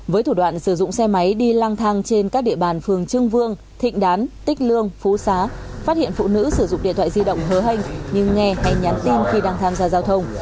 với thủ đoạn sử dụng xe máy đi lang thang trên các địa bàn phường trương vương thịnh đán tích lương phú xá phát hiện phụ nữ sử dụng điện thoại di động hớ hình như nghe hay nhắn tin khi đang tham gia giao thông